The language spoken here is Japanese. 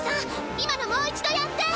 今のもう一度やって！